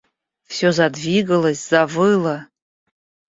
Все задвигалось, завыло;